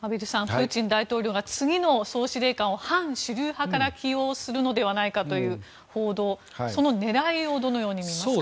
プーチン大統領が次の総司令官を反主流派から起用するのではないかという報道その狙いをどのようにみますか？